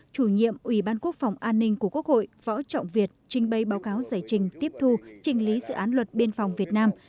chủ nhiệm ủy ban quốc phòng an ninh của quốc hội võ trọng việt trình bày báo cáo giải trình tiếp thu trình lý dự án luật biên phòng việt nam